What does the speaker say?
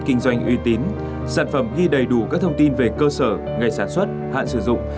kinh doanh uy tín sản phẩm ghi đầy đủ các thông tin về cơ sở ngày sản xuất hạn sử dụng